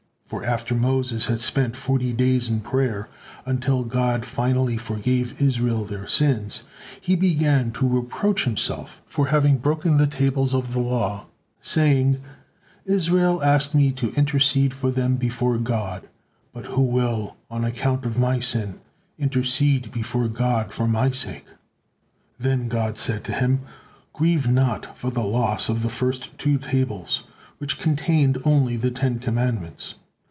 For after Moses has spent forty days in prayer, until God finally forgave Israel their sins, he began to reproach himself for having broken the tables of the law, saying" "Israel asked me to intercede for them before God, but who will, on account of my sin, intercede before God for my sake?" Then God said to him: "Grieve not for the loss of the first two tables, which contained only the Ten Commandments.